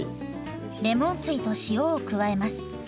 レモン水と塩を加えます。